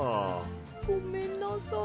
ごめんなさい。